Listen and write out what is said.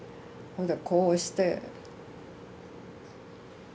ほんでこうして。